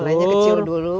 mulainya kecil dulu baru